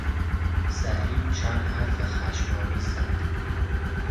زری چند حرف خشم آمیز زد.